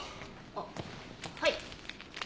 あっはい。